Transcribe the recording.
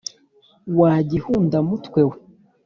wa gihunda-mutwe we